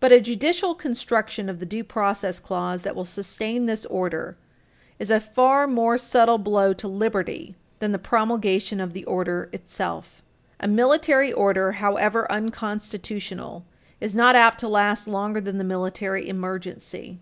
But a judicial construction of the due process clause that will sustain this order is a far more Page 323 U. S. 246 subtle blow to liberty than the promulgation of the order itself. A military order, however unconstitutional, is not apt to last longer than the military emergency.